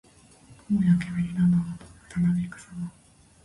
雲や煙などが遠くたなびくさま。